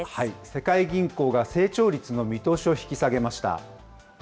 世界銀行が成長率の見通しを引き下げました。